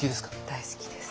大好きです。